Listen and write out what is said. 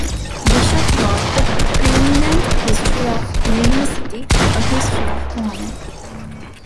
Bishop wrote the preeminent history of the university, A History of Cornell.